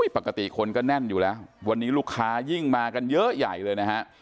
ปกติคนก็แน่นอยู่แล้ววันนี้ลูกค้ายิ่งมากันเยอะใหญ่เลยนะฮะ